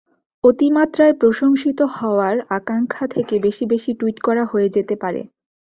অতিমাত্রায় প্রশংসিত হওয়ার আকাঙ্ক্ষা থেকে বেশি বেশি টুইট করা হয়ে যেতে পারে।